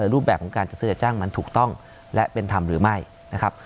รูปแบบของการจัดสืบจัดจ้างมันถูกต้องและเป็นทำหรือไม่